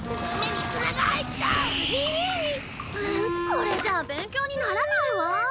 これじゃあ勉強にならないわ。